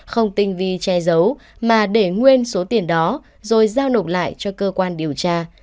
không tinh vi che giấu mà để nguyên số tiền đó rồi giao nộp lại cho cơ quan điều tra